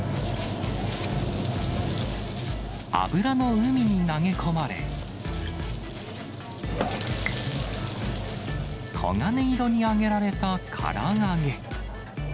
油の海に投げ込まれ、黄金色に揚げられたから揚げ。